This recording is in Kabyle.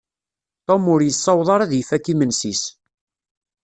Tom ur yessaweḍ ara ad ifakk imensi-s.